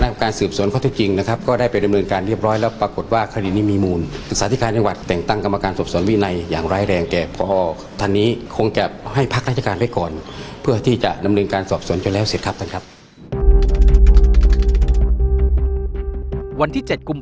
วันที่๗กุมภาพันธ์๒๕๖๑